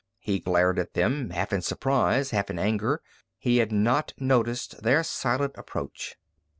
He glared at them, half in surprise, half in anger. He had not noticed their silent approach.